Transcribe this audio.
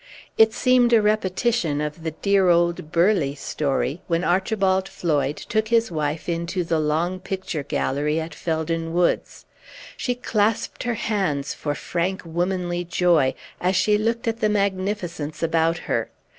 It seemed a repetition of the dear old Burleigh story when Archibald Floyd took his wife into the long picture gallery at Felden Woods. She clasped her hands for frank, womanly joy, as she looked at the magnificence about her.